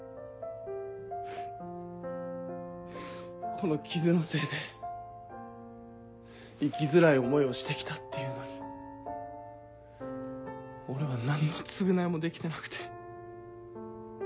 この傷のせいで生きづらい思いをして来たっていうのに俺は何の償いもできてなくて。